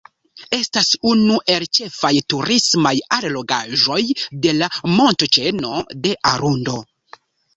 Estas unu el ĉefaj turismaj allogaĵoj de la Montoĉeno de Arundo.